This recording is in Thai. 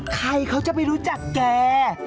ใครเขาจะไม่รู้จักแก